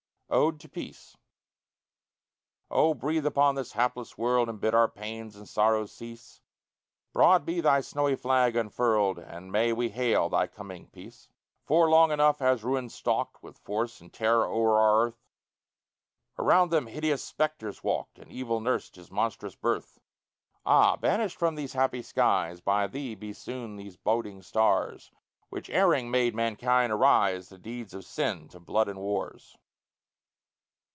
ODE TO PEACE Oh! breathe upon this hapless world, And bid our pains and sorrows cease; Broad be thy snowy flag unfurl'd, And may we hail thy coming, peace! For long enough has ruin stalk'd, With force and terror o'er our earth; Around them hideous spectres walk'd, And evil nurs'd his monstrous birth. Ah! banish'd from these happy skies, By thee, be soon these boding stars, Which erring made mankind arise, To deeds of sin, to blood and wars.